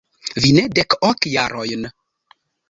Vi ne dek ok jarojn.